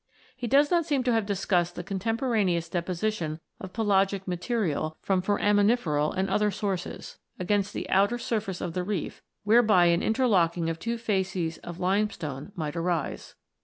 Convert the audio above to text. He does not seem to have discussed the contemporaneous deposition of pelagic material from foraminiferal and other sources against the outer surface of the reef whereby an interlocking of two facies of limestone might arise.